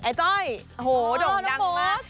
ไอ้จ้อยโหโด่งดังมาก